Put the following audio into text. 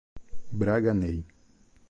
Braganey